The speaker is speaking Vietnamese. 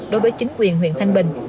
đối với chính quyền huyện thanh bình